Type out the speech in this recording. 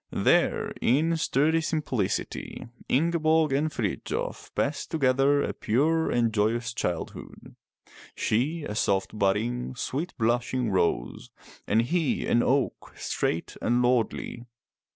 There in sturdy simplicity Ingeborg and Frithjof passed together a pure and joyous childhood, — she a soft budding, sweet blushing rose, and he an oak, straight and lordly.